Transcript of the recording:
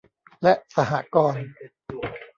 และสหกรณ์